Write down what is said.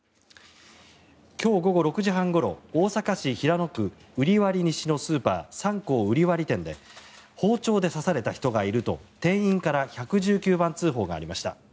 今日午後６時半ごろ大阪市平野区瓜破西のスーパーサンコー瓜破店で包丁で刺された人がいると店員から１１９番通報がありました。